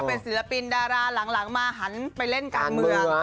เป็นศิลปินดาราหลังมาหันไปเล่นการเมือง